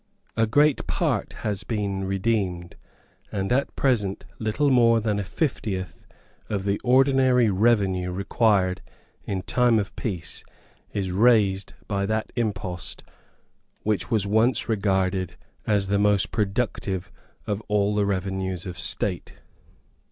A great part has been redeemed; and at present little more than a fiftieth of the ordinary revenue required in time of peace is raised by that impost which was once regarded as the most productive of all the resources of the State.